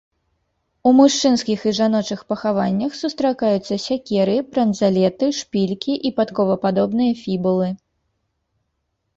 У мужчынскіх і жаночых пахаваннях сустракаюцца сякеры, бранзалеты, шпількі і падковападобныя фібулы.